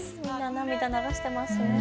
涙、流してますね。